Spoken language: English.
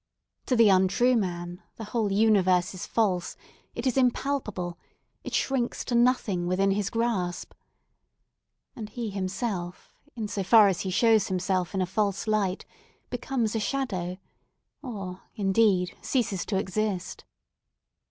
To the untrue man, the whole universe is false—it is impalpable—it shrinks to nothing within his grasp. And he himself in so far as he shows himself in a false light, becomes a shadow, or, indeed, ceases to exist.